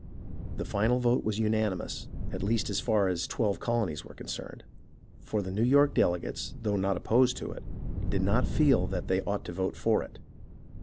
The final vote was unanimous, at least as far as twelve colonies were concerned, for the New York delegates, though 92 HISTORY OF THE AMERICAN REVOLUTION not opposed to it, did not feel that they ought to vote for it.